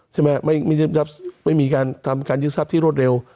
ใช่ไหมไม่มีการทำการยึดทรัพย์ที่รวดเร็ว